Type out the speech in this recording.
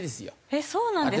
えっそうなんですか？